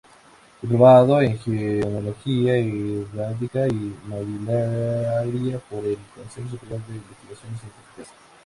Diplomado en Genealogía, Heráldica y Nobiliaria por el Consejo Superior de Investigaciones Científicas.